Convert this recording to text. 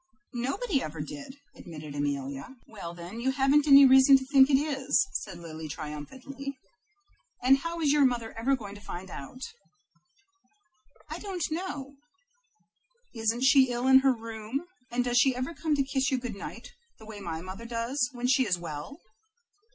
"Nobody ever did," admitted Amelia. "Well, then you haven't any reason to think it is," said Lily, triumphantly. "And how is your mother ever going to find it out?" "I don't know." "Isn't she ill in her room? And does she ever come to kiss you good night, the way my mother does, when she is well?"